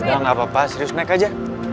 enggak gak apa apa serius naik aja